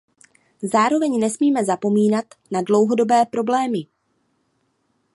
Zároveň nesmíme zapomínat na dlouhodobé problémy.